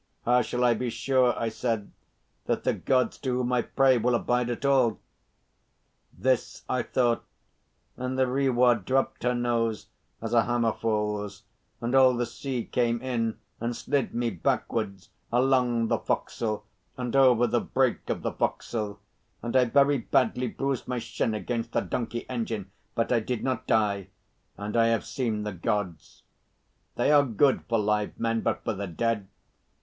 'How shall I be sure,' I said, 'that the Gods to whom I pray will abide at all?' This I thought, and the Rewah dropped her nose as a hammer falls, and all the sea came in and slid me backwards along the fo'c'sle and over the break of the fo'c'sle, and I very badly bruised my shin against the donkey engine: but I did not die, and I have seen the Gods. They are good for live men, but for the dead.